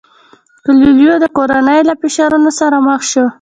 کویلیو د کورنۍ له فشارونو سره مخ شو.